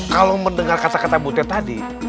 kalo mendengar kata kata butet tadi